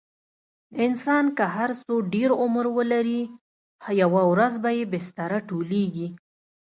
انسان که هر څو ډېر عمر ولري، یوه ورځ به یې بستره ټولېږي.